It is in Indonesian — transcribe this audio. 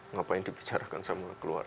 ngapain dibicarakan sama keluarga